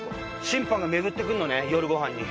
審判が巡ってくるのね夜ご飯に。